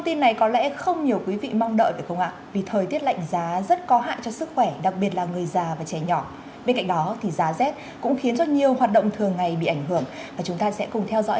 xin chào và hẹn gặp lại trong các bộ phim tiếp theo